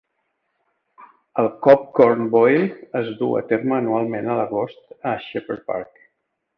El Cobb Corn Boil es duu a terme anualment a l'agost a Shepherd Park.